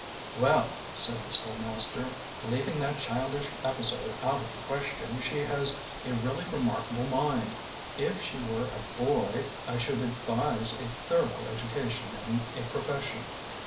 "Well," said the school master, "leaving that childish episode out of the question, she has a really remarkable mind. If she were a boy, I should advise a thorough education and a profession.